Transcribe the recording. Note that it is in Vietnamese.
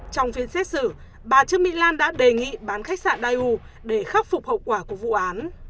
trong phiên xét xử bà trương mỹ lan đã đề nghị bán khách sạn dau để khắc phục hậu quả của vụ án